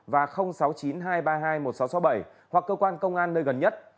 chín hai ba bốn năm tám sáu không và sáu chín hai ba hai một sáu sáu bảy hoặc cơ quan công an nơi gần nhất